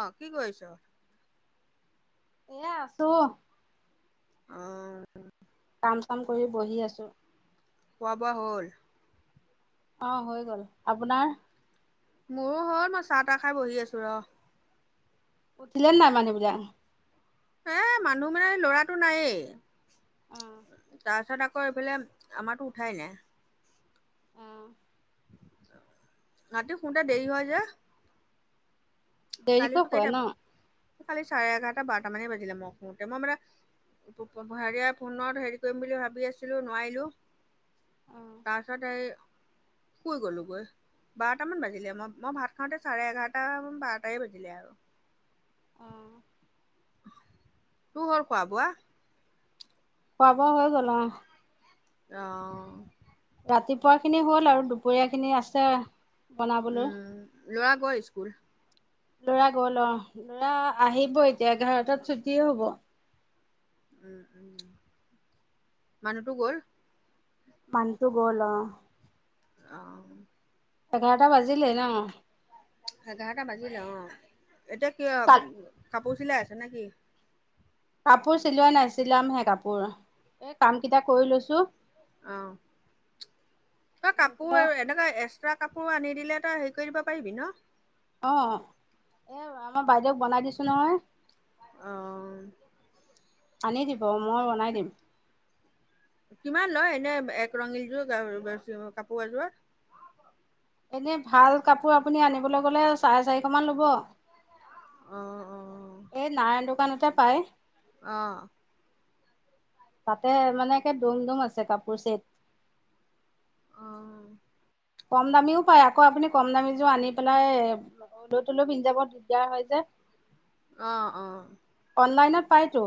অ', কি কৰিছ? এয়া আছো। অ'। কাম - চাম কৰি বহি আছো। খোৱা - বোৱা হ'ল? অ' হয় গ'ল, আপোনাৰ? মোৰো হ'ল মই চাহ - তাহ খাই বহি আছো ৰ। উঠিলে নাই মানুহবিলাক? এ মানুহ মানে ল'ৰাটো নায়ে। অ তাৰপিছত আকৌ এইফালে আমাৰতো উঠাই নাই। অ'। ৰাতি শুওতে দেৰি হয় যে। দেৰিকৈ কালিতো শুৱে কেইটা, ন কালি চাৰে এঘাৰটা, বাৰটা মানে বাজিলে মই শুওতে মই মানে [unintelligible] হেৰিয়া ফোনত হেৰি কৰিম বুলি ভাবি আছিলোঁ নোৱাৰিলোঁ। অ তাৰপিছত হেৰি শুই গ'লোঁ গৈ, বাৰটামান বাজিলে মই মই ভাত খাওঁতে চাৰে এঘাৰটা, বাৰটাই বাজিলে আৰু। অ'। তোৰ হ'ল খোৱা - বোৱা? খোৱা - বোৱা হৈ গ'ল অহ। অ'। ৰাতিপুৱাখিনি হ'ল আৰু দুপৰীয়াখিনি আছে। বনাবলৈ উম ল'ৰা গ'ল স্কুল? ল'ৰা গ'ল অ', ল'ৰা আহিব এতিয়া এঘাৰটাত ছুটি হ'ব। উম উম, মানুহটো গ'ল। মানুহটো গ'ল অ'। অ'। এঘাৰটা বাজিলে ন'। এঘাৰটা বাজিলে অ'। এতিয়া কিয়, কা কাপোৰ চিলাই আছে নেকি? কাপোৰ চিলোৱা নাই, চিলাম হে কাপোৰ অ'। কাম কেইটা কৰি লৈছো। অ', তই লৈ পেলাই কাপোৰ এ তই এক্সট্ৰা কাপোৰ আনি দিলে তই হেৰি কৰি দিব পাৰিবি ন'? অ', অ', আমাৰ বাইদেউক বনাই দিছো নহয়। অ'। আনি দিব, মই বনাই দিম। কিমান লয় এনে এক ৰঙীলযোৰ কাপোৰ এযোৰ? এনেই ভাল কাপোৰ আপুনি আনিবলৈ গ'লে চাৰে চাৰিশমান ল'ব। অ', অ'। এই নাৰায়ণ দোকানতে পাই। অ'। তাতে মানে একে দ'ম দ'ম আছে কাপোৰ চেট। অ'। কম দামীও পায় আকৌ। আপুনি কম দামীযোৰ আনি পেলাই অলৈ-তলৈ পিন্ধি যাব, দিগদাৰ হয় যে। অ', অ', অনলাইনত পায়তো।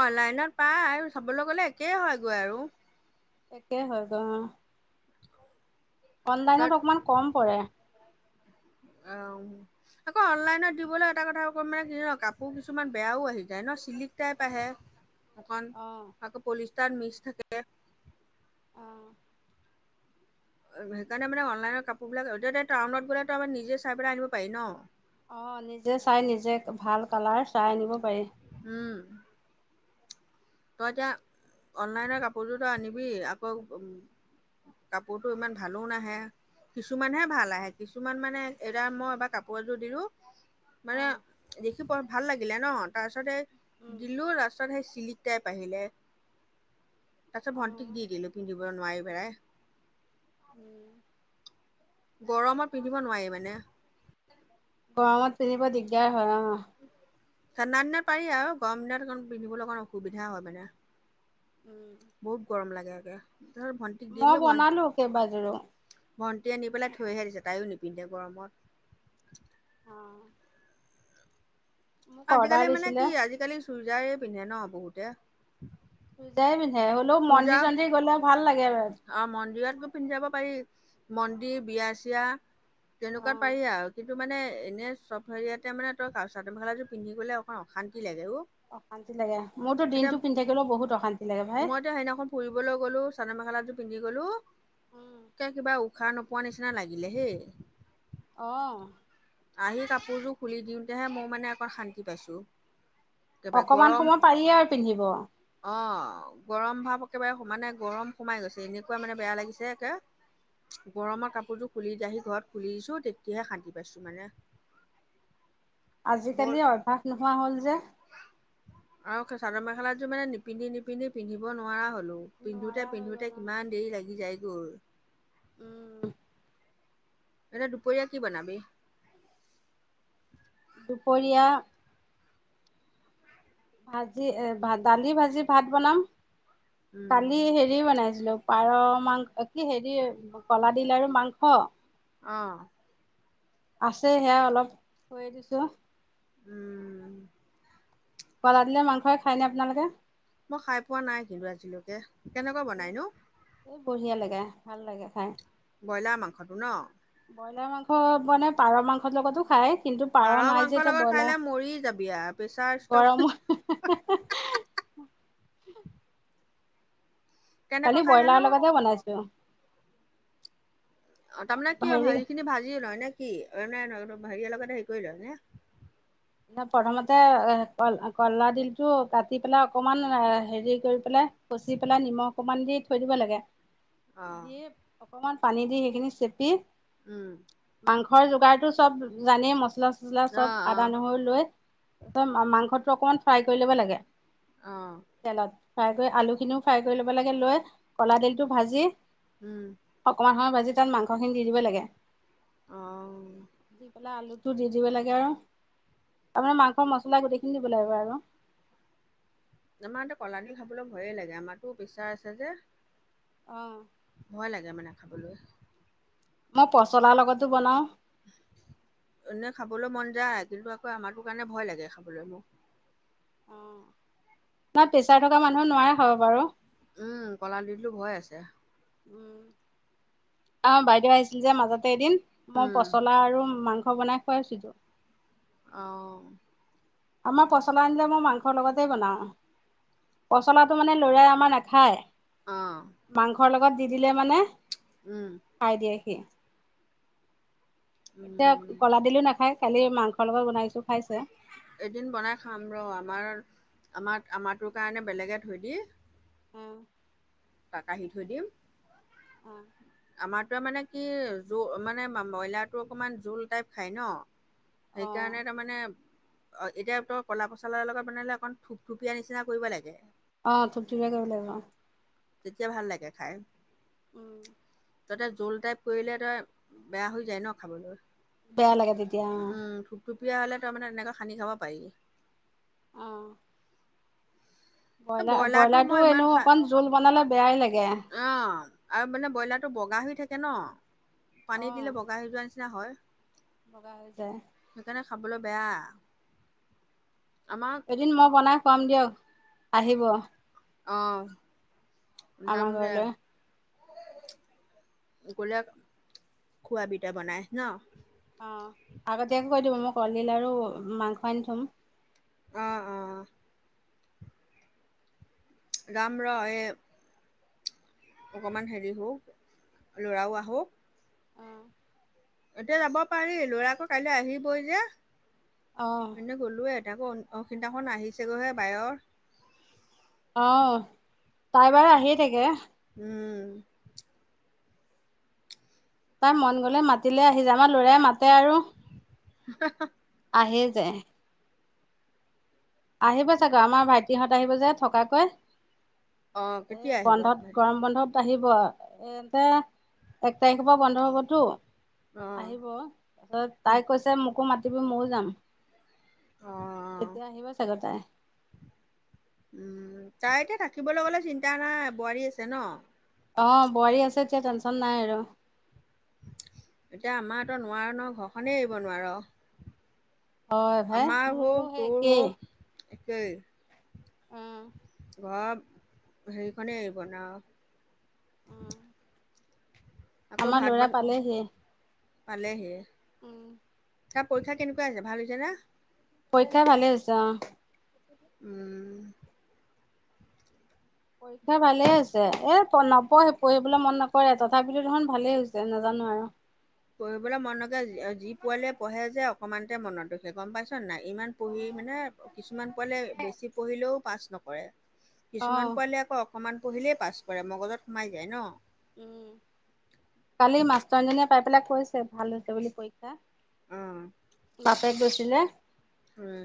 অনলাইনত পায়। চাবলৈ গ'লে একেই হয়গৈ আৰু। একেই হয় গৈ অ'। অনলাইনত অকণমান কম পৰে। আ আকৌ অনলাইনত দিবলৈ এটা কথা কম মানে, কি হয় কাপো কিছুমান বেয়াও আহি যায় ন' চিলিক টাইপ আহে। [inaudible] অকণ আকৌ পলিষ্টাৰ মিছ থাকে। অ'। সেইকাৰণে মানে অনলাইনত কাপোৰ বিলাক এতিয়া তই টাউনত গ'লে তই আমাৰ নিজে চাই পেলাই আনিব পাৰি ন'। অ', নিজে চাই নিজে ভাল কালাৰ চাই আনিব পাৰি। উম। তই এতিয়া অনলাইনৰ কাপোৰযোৰ তই আনিবি। আকৌ কাপোৰটো ইমান ভালো নাহে। কিছুমানহে ভাল আহে। কিছুমান মানে এতিয়া মই এবাৰ কাপোৰ এযোৰ দিলো। অ মানে দেখি প ভাল লাগিলে ন'। তাৰপিছতে উম দিলো তাৰপিছত সেই চিলিক টেপ আহিলে। তাৰ পিছত অ ভণ্টিক দি দিলো পিন্ধিব নোৱাৰি পেলাই। উম। গৰমত পিন্ধিব নোৱাৰি মানে। গৰমত পিন্ধিব দিগদাৰ হয় অ'। ঠাণ্ডা দিনত পাৰি আও গৰম দিনত পিন্ধিবলৈ অকণ অসুবিধা হয় মানে। উম। বহুত গৰম লাগে একে, তাৰপিছত ভণ্টিক দি মই দিলোঁ, বনালো কেইবাযোৰো ভণ্টিক ভণ্টিয়ে নি পেলাই থৈহে দিছে, তাইও নিপিন্ধে গৰমত। অ'। মোক অৰ্ডাৰ আজিকালি মানে দিছিলে কি, আজিকালি চুইজাৰেই পিন্ধে ন' বহুতে। চুইজাৰে পিন্ধে, হ'লেও মন্দিৰ-চন্দিৰ গ'লেও ভাল লাগে। অ', মন্দিৰত গৈ পিন্ধি যাব পাৰি, মন্দিৰ, বিয়া-ছিয়া। তেনেকুৱাত পাৰি আৰু, কিন্তু মানে এনে চব হেইয়াতে মানে তই চাদৰ-মেখেলাযোৰ পিন্ধি গ'লে অকণ অশান্তি লাগে অ'। অশান্তি লাগে, মোৰতো এতিয়া দিনটো পিন্ধ থাকিলেও বহুত অশান্তি লাগে ভাই মই এতিয়া সেইদিনাখন ফুৰিবলৈ গ'লোঁ, চাদৰ-মেখেলাযোৰ পিন্ধি গ'লোঁ, একে কিবা উশাহ নোপোৱা নিচিনা লাগিলে হেই। অ'। আহি কাপোৰযোৰ খুলি দিওঁতেহে, মই মানে আকৌ শান্তি পাইছোঁ। একেবাৰে অকমান গৰম, সময় পাৰিয়ে আৰু পিন্ধিব অ'। গৰম ভাৱ একেবাৰে সমানে গৰম সোমাই গৈছে, এনেকুৱা মানে বেয়া লাগিছে একে। গৰমত কাপোৰযোৰ খুলি দি আহি ঘৰত খুলি দিছোঁ, তেতিয়াহে শান্তি পাইছোঁ মানে। বৰ আজিকালি অভ্যাস নোহোৱা হ'ল যে। আৰু একে চাদৰ-মেখেলাযোৰ মানে নিপিন্ধি, নিপিন্ধি, পিন্ধিব নোৱাৰা হ'লো। পিন্ধোতে, নোৱাৰা হৈ পিন্ধোতে গ'ল অ কিমান দেৰি লাগি যায় গৈ। উম। এতিয়া দুপৰীয়া কি বনাবি? দুপৰীয়া ভাজি এ, দালি, ভাজি, ভাত বনাম। উম কালি হেৰি বনাইছিলোঁ, পাৰ মাং কি হেৰি, কলাডিল আৰু মাংস। অ'। আছে সেয়া অলপ, থৈয়ে দিছোঁ। উম। কলা ডিলৰ মাংসয়ে খায়নে আপোনালোকে? মই খাই পোৱা নাই কিন্তু আজিলৈকে, কেনেকুৱা বনাই নো? এই বঢ়িয়া লাগে, ভাল লাগে খাই। ব্ৰইলাৰ মাংসটো ন'? ব্ৰইলাৰ মাংস মানে, পাৰ মাংসৰ লগতো খায়। কিন্তু পাৰ নাই যে, মাংসৰ এতিয়া লগত খাই ব্ৰইলাৰ, লৈ মৰি যাবি আৰু প্ৰেছাৰ ষ্টক গৰমত কালি কেনেকৈ খাই ব্ৰইলাৰ জানো লগতে বনাইছোঁ। অ', তাৰমানে কি, হেৰি খিনি ভাজি লয় নে কি, হেৰিয়ৰ লগতে হেৰি কৰি লয় নে? প্ৰথমতে কল, কলা দিলটো কাটি পেলাই অকমান হেৰি কৰি পেলাই কচি পেলাই, নিমখ অকণমান দি থৈ দিব লাগে। অ দি অকমান পানী দি সেইখিনি চেপি উম। মাংসৰ যোগাৰতটো চব জানেই, মচলা-চলা অ চব অ আদা নহৰু লৈ, মাংসটো অকণমান ফ্ৰাই কৰি ল'ব লাগে। অ'। তেলত, ফ্ৰাই কৰি আলুখিনিও ফ্ৰাই কৰি ল'ব লাগে, লৈ কলা দলটো ভাজি উম। অকমান সময় ভাজি তাত মাংসখিনি দি দিব লাগে। অ দি পেলাই আলু টো দি দিব লাগে আৰু। তাপা মাংস মচলায়ে গোটেইখিনি দিব লাগিব আৰু। ইমানটো কলানি খাবলৈ ভয়ে লাগে আমাৰটো পেচাৰ আছে যে। অ', ভয় লাগে মানে খাবলৈ। মই পছলাৰ লগতো বনাওঁ। এনে খাবলৈ মন যায়, কিন্তু আকৌ আমাৰতো কাৰণে ভয় লাগে খাবলৈ মোক। অ', নয় প্ৰেছাৰ থকা মানুহে নোৱায়ে খাব বাৰু। উম, কলা ডিলটো ভয় আছে। উম, অ, বাইদেউ আহিছিল যে মাজতে এদিন, মই উম পচলা আৰু মাংস বনাই খুৱাইছিলো। অ', আমাৰ পচলা আনিলে মই মাংসৰ লগতেই বনাওঁ। পচলাটো মানে ল'ৰাই আমাৰ নাখায়। অ মাংসৰ লগত দি দিলে মানে উম। খাই দিয়ে সি। উম, [unintelligible] কলা ডিলো নাখায়, কালি মাংসৰ লগত বনাইছো খাইছে। এদিন বনাই খাম ৰ আমাৰ আমাৰ আমাৰটোৰ কাৰণে বেলেগে থৈ দি অ', তা কাঢ়ি থৈ দিম। অ', আমাৰটোৱে মানে কি জো অ মানে মাম ব্ৰইলাৰটো অকণমান জোল টাইপ খায় ন? অ সেইকাৰণে তাৰমানে অ, এতিয়া তই কলা পচলৰ লগত বনালে অকণ থুপথুপিয়া নিচিনা কৰিব লাগে। অ', থুপথুপিযা কৰিব লাগিব, অহ। তেতিয়া ভাল লাগে খাই। উম। তাতে জোল টাইপ কৰিলে তই, বেয়া হৈ যায় ন খাবলৈ? বেয়া লাগে তেতিয়া উ অ উম, থুপথুপিয়া হ'লে তাৰ মানে এনেকৈ সানি খাব পাৰি। অ', ব্ৰইলাৰ ব্ৰইলাৰটো এনেও অকন জোল বনালে বেয়াই লাগে। অ, আৰু মানে ব্ৰইলাৰটো বগা হৈ থাকে ন? অ পানী দিলে বগা হৈ যোৱা নিচিনা হয়। বগা হৈ যায়। সেইকাৰণে খাবলৈ বেয়া। আমাক এদিন মই বনাই খুৱাম দিয়ক, আহিব। অ, যাম আমাৰ দে। ঘৰলৈ গ'লে, খুৱাবি তই বনাই ন? অহ। আগতিয়াকে কৈ দিব মই কলডিল লাৰু ম মাংস আনি থম। অ, অ, যাম ৰহ এ অকণমান হেৰি হওক। ল'ৰাও আহক। অঁ। এতিয়া যাব পাৰি। ল'ৰাটো কাইলৈ আহিবই যে। অ। গলোঁ য়ে তাকো সিদিনাখন আহিছেগৈহে বায়ৰ। অ, তাই বাৰু আহেই থাকে। উম। তাই মন গলে মাতিলে আহি যায়। আামাৰ লৰাই মাতে আৰু। [inaudible] আহিয়েই যায়। আহিব চাগৈ আমাৰ ভাইটিহঁত আহিব যে থকাকৈ। অ', এই কেতিয়া আহিব বন্ধত ভাইটি? গৰম বন্ধত আহিব। এ এতে এক তাৰিখৰ পৰা বন্ধ হ'বতো অ', আহিব। তাই কৈছে, মোকো মাতিবি মইয়ো যাম। অ। তেতিয়া আহিব চাগৈ তাই। উম, তাইক এতিয়া থাকিব কলে চিন্তা নাই। বোৱাৰী আছে ন? অ, বোৱাৰী আছে এতিয়া টেঞ্চন নাই আৰু। এতিয়া আমাৰতো নোৱাৰ ন। ঘৰখনেই এৰিব নোৱাৰ। হয় ভাই আমাৰ মোৰো হওঁক, সেই তোৰ একেই হওঁক একেই। উম‌। ঘৰ হেৰিখনেই এৰিব নোৱাৰো। উম। আকৌ আমাৰ ভাত ল'ৰা বনাই পালেহি পালেহিয়ে। উম। তাৰ পৰীক্ষা কেনেকুৱা হৈছে ভাল হৈছে নে? পৰীক্ষা ভালে হৈছে অঁ। উম। পৰীক্ষা ভালে হৈছে। এ নপঢ়ে পঢ়িবলৈ মন নকৰে তথাপি তথাপিতো দেখোন ভালেই হৈছে নেজানো আৰু। পঢ়িবলৈ মন নকৰে যি পোৱালিয়ে পঢ়ে যে অকণমানতে মনত ৰখে গম পাইছনে নাই ইমান পঢ়ি মানে কিছুমান পোৱালিয়ে বেছি পঢ়িলেও পাছ নকৰে অ কিছুমান পোৱালিয়ে আকৌ অ অকমান পঢ়িলেই পাছ কৰে মুগজত সোমাই যায় ন? উম কালি মাষ্টৰনীজনীয়ে পাই পেলাই কৈছে ভাল হৈছে বুলি পৰীক্ষা। উম। বাপেক গৈছিলে। উম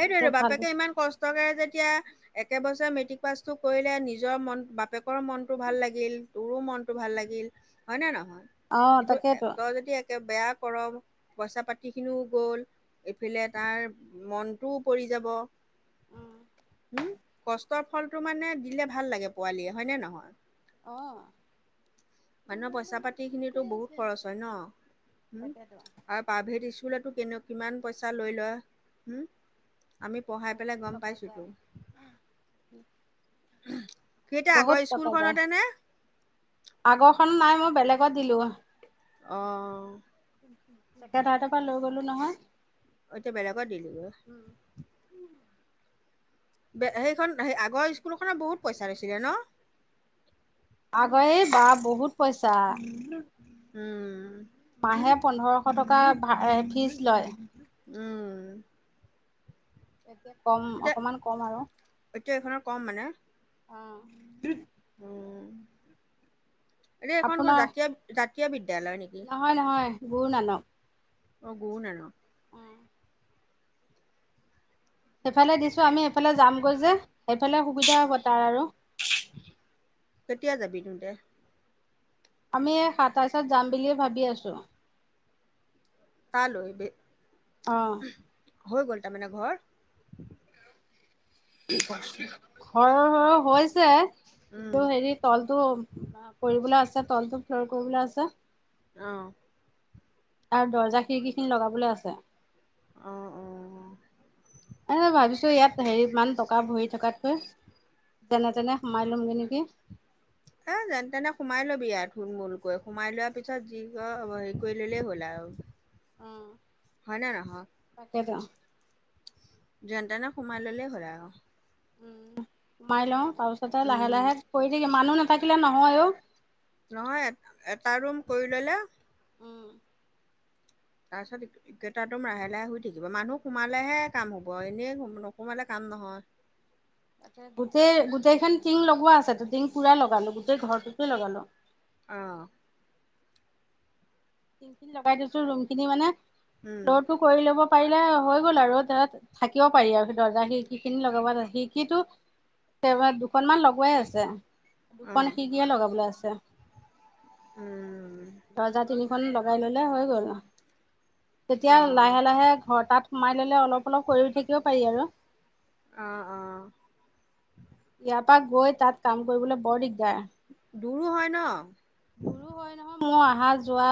কৈছে ভাল বাপেকে হৈছে। ইমান কষ্ট কষ্টকে যেতিয়া একেবছৰে মেট্ৰিক পাছটো কৰিলে নিজৰ মন বাপেকৰ মন টো ভাল লাগিল, তোৰো মনটো ভাল লাগিল হয়নে নহয় অ' কিন্তু তাকেইতো। তই যদি বেয়া কৰ পইচা পাতিখিনিও গ'ল এইফালে এই‌ ফালে তাৰ মনটোও পৰি যাব। উম। উম কষ্টৰ ফলটো মানে দিলে ভাল লাগে পোৱালিয়ে হয়নে নহয়? অ'। মানুহৰ পইচা পাতি খিনিতো বহুত খৰচ হয় ন তাকেতো হম প্ৰাইভেট স্কুলতো কিনো কিমান পইচা লৈ লয়, উম। আমি পঢ়াই পেলাই বহুত গম টকা পাইছোটো। যায়। সি এতিয়া আগৰ বহুত টকা যায়। স্কুলখনতে নে? আগৰখন নাই মই বেলেগত দিলো। অ'। একে তাৰ তাৰপা লৈ গ'লো নহয়। অ', এতিয়া বেলেগত দিলি গৈ। বে সেইখন সেই আগৰ স্কুলখনত বহুত পইচা লৈছিলে ন? আগৰ এ বা বহুত পইচা। উম। মাহে পোন্ধৰশ টকা ভা এ ফীজ লয়। উম। [unintelligible] কম এতিয়া অকণমান কম আৰু এতিয়া এইখনৰ কম মানে। অ'। উম, এনে এইখন ক'ত আপোনাৰ জাতীয়, জাতীয় বিদ্যালয় নি? নহয়, নহয় গুৰু নানক। অ', গুৰুনানক। উম। সেইফালে দিছো আমি এইফালে যামগৈ যে, সেইফালে সুবিধা হ'ব তাৰ আৰু। কেতিয়া যাবি তহঁতে? আমি এই সাতাইচত যাম বুলি ভাবি আছো। তালৈ বে অ'। হৈ গ'ল তাৰমানে ঘৰ? ঘৰ হৈছে, উম কিন্তু হেৰিত তলটো কৰিবলে আছে, তলটো ফ্ল'ৰ কৰিবলে আছে। অ'। আৰু দৰ্জা খিৰিকী খিনি লগাবলে আছে। অ', অ'। এ ভাবিছো ইয়াত হেৰি ইমান টকা ভৰি থকাতকৈ, যেনে তেনে সোমাই ল'ম গে নেকি? এ যেন তেনে সোমাই লবি আৰু থূল মূলকৈ, সোমাই লোৱাৰ পিছত যি কৰ হেৰি কৰি ল'লেই হ'ল আৰু। হয় নে নহয়? তাকেটো। যেন তেনে সোমাই ল'লেই হ'ল আৰু। উম, সোমাই লওঁ তাৰপিছতে লাহে, উম লাহে কৰি থাকিম, মানুহ নাথাকিলে নহয় অ'। নহয়, এ-এটা ৰুম কৰি ল'লে উম। তাৰছত ইকেইটা ৰুম লাহে, লাহে হৈ থাকিব, মানুহ সোমালেহে কাম হ'ব, এনেই সুম নোসোমালে কাম নহয়। তাকে গোটেই গোটেইখন টিং লগোৱা আছে, টিং পোৰা লগালো, গোটেই ঘৰটোতে লগালো। অ'। টিং চিং লগাই দিছো ৰুম খিনি মানে, উম, ফ্ল'ৰটো কৰি ল'ব পাৰিলে হৈ গ'ল আৰু তে থাকিব পাৰি আৰু সেই দৰ্জা খিৰিকি খিনি লগাব, খিৰিকিটো দুখনমান লগ গোৱাই আছে, দুখন অ', খিৰকিয়ে লগাবলে আছে। উম। দৰজা তিনিখন লগাই ল'লে হৈ গ'ল আও। তেতিয়া লাহে, অ', লাহে ঘৰ তাত সোমাই ল'লে অলপ অলপ কৰি থাকিব পাৰি আৰু। অ', অ'। ইয়াৰ পা গৈ তাত কাম কৰিবলৈ বৰ দিগদাৰ। দূৰো হয়, ন! দূৰো হয়। নহয়, মোৰ আহা যোৱা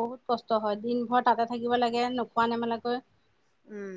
বহুত কষ্ট হয়, দিন ভৰ তাতে থাকিব লাগে নোখোৱা নেমেলাকৈ। উম।